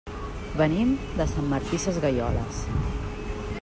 Venim de Sant Martí Sesgueioles.